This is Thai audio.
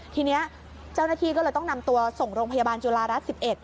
ทีนี้เจ้าหน้าที่ก็เลยต้องนำตัวส่งโรงพยาบาลจุฬารัฐ๑๑